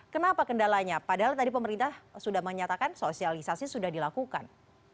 kenapa kendalanya padahal tadi pemerintah sudah menyatakan sosialisasi sudah dilakukan